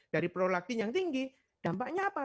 dari prolakin yang tinggi dampaknya apa